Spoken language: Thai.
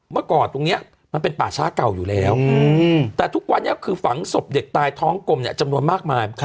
เมื่อก่อนตรงนี้มันเป็นป่าช้าเก่าอยู่แล้วแต่ทุกวันนี้คือฝังศพเด็กตายท้องกลมเนี่ยจำนวนมากมาย